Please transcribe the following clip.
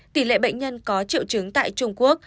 tỷ lệ bệnh nhân có triệu chứng tại trung quốc